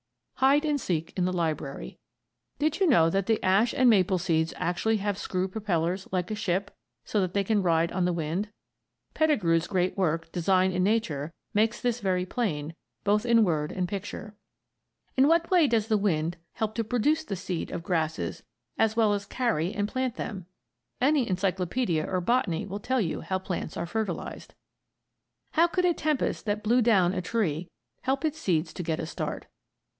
'" HIDE AND SEEK IN THE LIBRARY Did you know that the ash and maple seeds actually have screw propellers, like a ship, so that they can ride on the wind? Pettigrew's great work, "Design in Nature," makes this very plain, both in word and picture. In what way does the wind help to produce the seed of grasses as well as carry and plant them? (Any encyclopædia or botany will tell you how plants are fertilized.) How could a tempest that blew down a tree help its seeds to get a start?